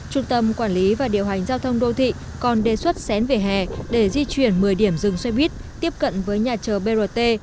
trung tâm quản lý và điều hành giao thông đô thị còn đề xuất xén về hè để di chuyển một mươi điểm dừng xe buýt tiếp cận với nhà chờ brt